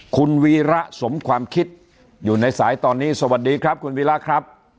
คุณวีระสมความคิดอยู่ในสายตอนนี้สวัสดีครับคุณวีระครับ